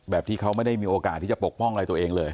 ที่เขาไม่ได้มีโอกาสที่จะปกป้องอะไรตัวเองเลย